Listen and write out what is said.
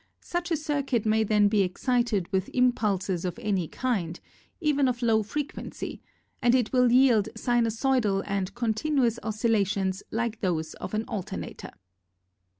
Such a circuit may then be excited with impulses of any kind, even of low frequency and it will yield sinusoidal and continuous oscillations like those of an alternator.